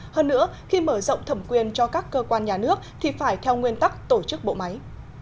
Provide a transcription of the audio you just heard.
hơn nữa khi mở rộng thẩm quyền cho các cơ quan nhà nước thì phải theo nguyên tắc tổ chức bộ máy